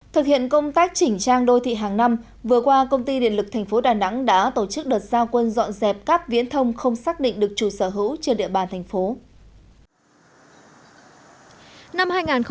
thực hiện công tác chỉnh trang đô thị hàng năm vừa qua công ty điện lực tp đà nẵng đã tổ chức đợt giao quân dọn dẹp các viễn thông không xác định được chủ sở hữu trên địa bàn thành phố